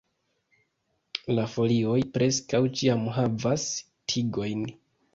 La folioj preskaŭ ĉiam havas tigojn.